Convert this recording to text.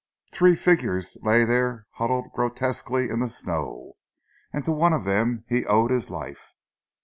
Three figures lay there huddled grotesquely in the snow, and to one of them he owed his life.